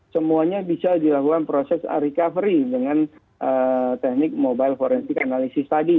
semuanya bisa dilakukan proses recovery dengan teknik mobile forensik analysis tadi